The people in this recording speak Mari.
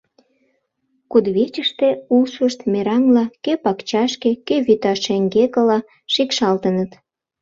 Кудвечыште улшышт мераҥла кӧ пакчашке, кӧ вӱта шеҥгекыла шикшалтыныт.